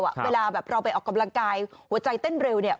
เวลาแบบเราไปออกกำลังกายหัวใจเต้นเร็วเนี่ย